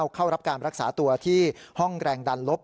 เข้ารับการรักษาตัวที่ห้องแรงดันลบ